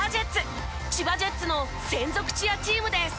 千葉ジェッツの専属チアチームです。